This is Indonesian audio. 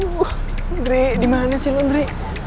fuhh undri dimana sih undri